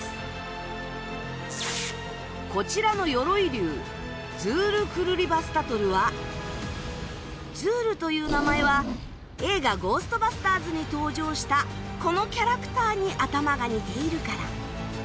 こちらの鎧竜ズールという名前は映画「ゴーストバスターズ」に登場したこのキャラクターに頭が似ているから。